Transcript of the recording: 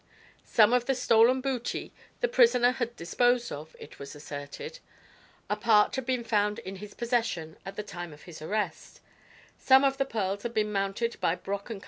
Some of the stolen booty the prisoner had disposed of, it was asserted; a part had been found in his possession at the time of his arrest; some of the pearls had been mounted by Brock & Co.